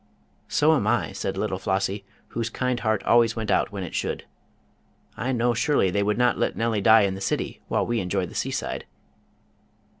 "So am I," said little Flossie, whose kind heart always went out when it should. "I know surely they would not let Nellie die in the city while we enjoy the seaside."